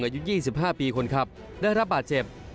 อายุยี่สิบห้าปีคนขับได้รับบาดเจ็บ